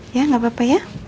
ya nggak apa apa ya